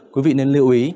quý vị nên lưu ý